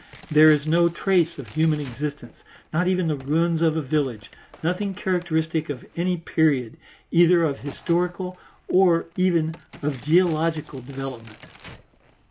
There is no trace of human existence, not even the ruins of a village; nothing characteristic of any period, either of historical or even of geological development.